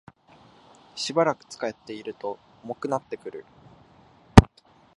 しばらく使っていると重くなってくる